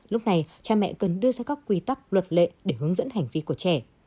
lúc này cha mẹ cần đưa ra các quy tắc luật lệ để hướng dẫn hành vi của trẻ